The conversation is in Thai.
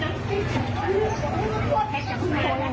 มันไม่ใช่เรื่องของคุณคุณไม่มีสิทธิ์ทำร้ายคนอื่น